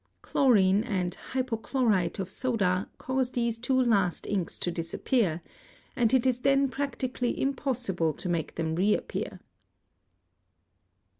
Chlorine and hypochlorite of soda cause these two last inks to disappear, and it is then practically impossible to make them reappear.